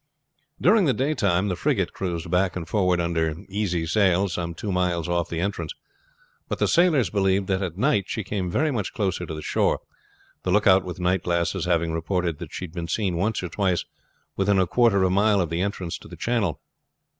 During the daytime the frigate cruised backward and forward under easy sail some two miles off the entrance; but the sailors believed that at night she came very much closer to the shore, the lookout with night glasses having reported that she had been seen once or twice within a quarter of a mile of the entrance to the channel.